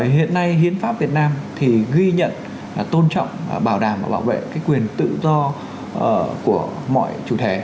hiện nay hiến pháp việt nam thì ghi nhận tôn trọng bảo đảm và bảo vệ quyền tự do của mọi chủ thể